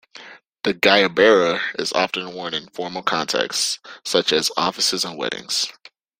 The guayabera is often worn in formal contexts, such as offices and weddings.